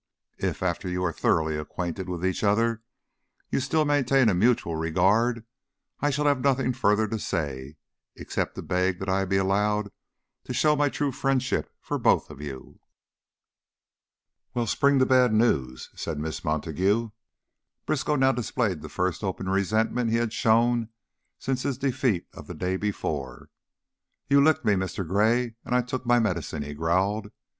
If, after you are thoroughly acquainted with each other, you still maintain a mutual regard I shall have nothing further to say except to beg that I be allowed to show my true friendship for both of you." "Well, spring the bad news," said Miss Montague. Briskow now displayed the first open resentment he had shown since his defeat of the day before. "You licked me, Mr. Gray, an' I took my medicine," he growled.